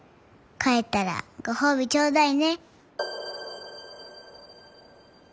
かえったら、ごほうび、ちょうだいね」。